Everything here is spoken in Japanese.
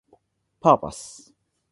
パーパス